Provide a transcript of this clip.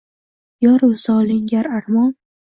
Yor, visoling gar armon